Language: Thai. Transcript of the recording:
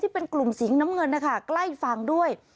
เป็นกลุ่มสีน้ำเงินนะคะใกล้ฝั่งด้วย